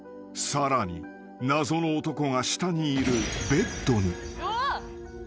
［さらに謎の男が下にいるベッドに］